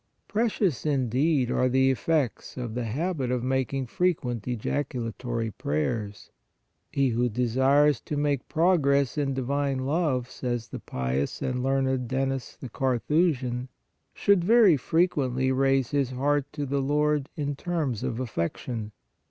Precious, indeed, are the effects of the habit of making frequent ejaculatory prayers. " He who desires to make progress in divine love," says the pious and learned Denis the Carthusian, " should very frequently raise his heart to the Lord in terms of affection.